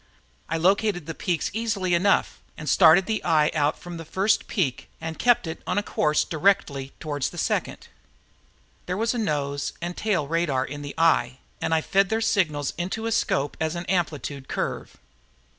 I located the peaks easily enough and started the eye out from the first peak and kept it on a course directly toward the second. There was a nose and tail radar in the eye and I fed their signals into a scope as an amplitude curve.